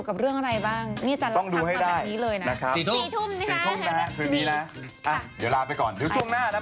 วันนี้มาแบบถามกันแบบจัดจัดตรงเลยว่าอะไร